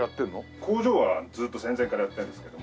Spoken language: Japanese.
工場はずっと戦前からやってるんですけども。